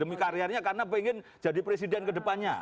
demi karyanya karena ingin jadi presiden ke depannya